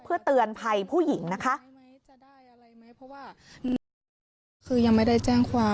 เพื่อเตือนภัยผู้หญิงนะคะ